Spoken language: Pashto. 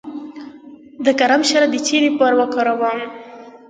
د کرم شیره د څه لپاره وکاروم؟